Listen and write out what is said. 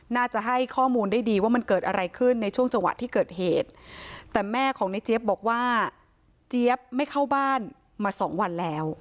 น่าจะให้ข้อมูลได้ดีว่ามันเกิดอะไรขึ้นในช่วงจังหวะที่เกิดเหตุแต่แม่ของในเจี๊ยบบอกว่าเจี๊ยบไม่เข้าบ้านมาสองวันแล้ว